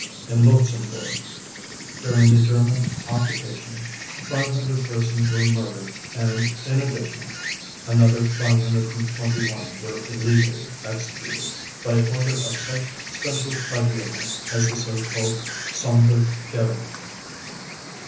In Luxembourg, during the German occupation, 500 persons were murdered and, in addition, another 521 were illegally executed, by order of such special tribunals as the so called "Sondergericht".